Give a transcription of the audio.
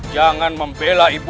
jangan membela ibu